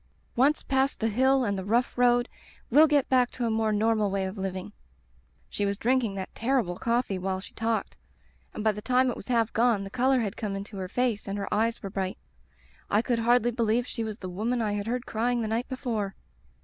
Once past the hill and the rough road, we'll get back to a more normal way of living.' "She was drinking that terrible coffee while she talked, and by the time it was half Digitized by LjOOQ IC The Rubber Stamp gone the color had come into her face and her eyes were bright. I could hardly believe she was the woman I had heard crying the night before.